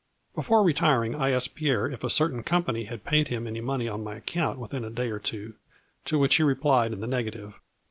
Before re tiring, I asked Pierre if a certain company had paid him any money on my account within a day or two, to which he replied in the negative.